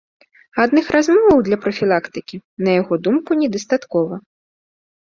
Адных размоваў для прафілактыкі, на яго думку, недастаткова.